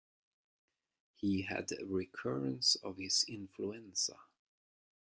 He had a recurrence of his influenza.